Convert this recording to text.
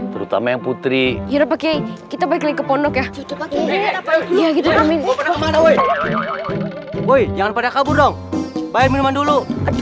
terutama yang putri kita baik baik ke pondok ya kita woi woi jangan pada kabur dong minuman dulu